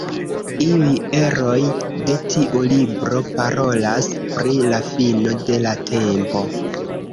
Iuj eroj de tiu libro parolas pri la fino de la tempo.